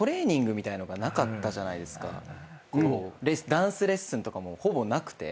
ダンスレッスンとかもほぼなくて。